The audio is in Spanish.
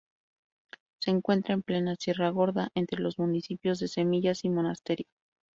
Se encuentra en plena sierra Gorda entre los municipios de Semillas y Monasterio.